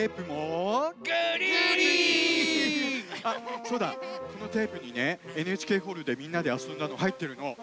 あっそうだこのテープにねＮＨＫホールでみんなであそんだのはいってるの。